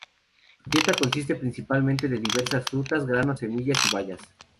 Su dieta consiste principalmente de diversas frutas, granos, semillas y bayas.